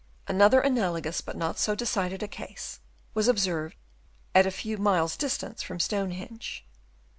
Another analogous but not so decided a case was observed at a few miles' distance from Stonehenge. On the.